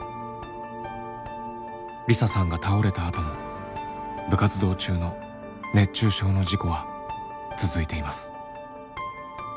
梨沙さんが倒れたあとも部活動中の熱中症の事故は続いています。